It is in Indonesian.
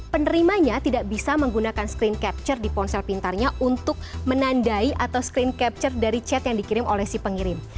penerimanya tidak bisa menggunakan screen capture di ponsel pintarnya untuk menandai atau screen capture dari chat yang dikirim oleh si pengirim